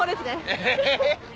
え。